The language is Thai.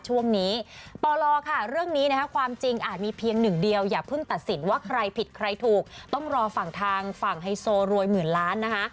ว่าใครผิดใครถูกต้องรอฝั่งทางฝั่งไฮโซรวยเหมือนล้านนะฮะ